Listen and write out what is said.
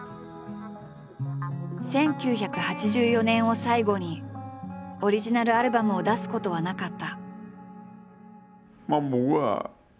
１９８４年を最後にオリジナルアルバムを出すことはなかった。